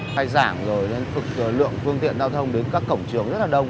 khai giảng rồi nên lượng phương tiện giao thông đến các cổng trường rất là đông